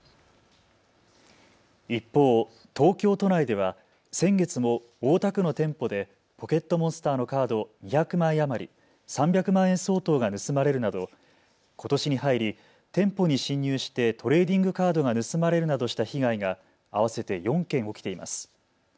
一方、東京都内では先月も大田区の店舗でポケットモンスターのカード２００枚余り、３００万円相当が盗まれるなどことしに入り店舗に侵入してトレーディングカードが盗まれるなどした被害が合わせて４件起きています。